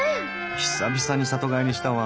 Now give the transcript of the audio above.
久々に里帰りしたわ。